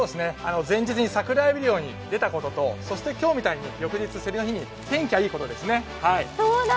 前日にさくらえび漁に出たことと、そして今日みたいに翌日、競りの日に天気がいいことですね。